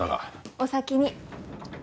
お先に。